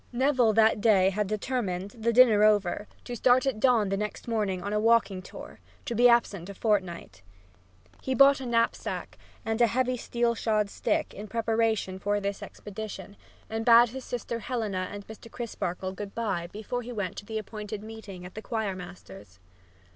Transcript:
Neville that day had determined, the dinner over, to start at dawn next morning on a walking tour, to be absent a fortnight. He bought a knapsack and a heavy steel shod stick in preparation for this expedition, and bade his sister Helena and Mr. Crisparkle good by before he went to the appointed meeting at the choir master's.